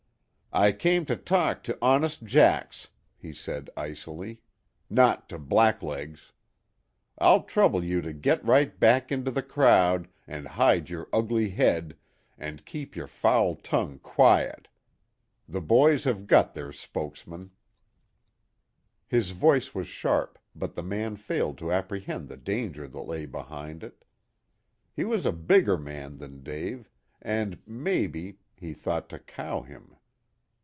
"I came to talk to honest 'jacks,'" he said icily, "not to blacklegs. I'll trouble you to get right back into the crowd, and hide your ugly head, and keep your foul tongue quiet. The boys have got their spokesmen." His voice was sharp, but the man failed to apprehend the danger that lay behind it. He was a bigger man than Dave, and, maybe, he thought to cow him.